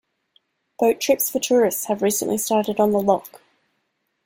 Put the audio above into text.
Boat trips for tourists have recently started on the loch.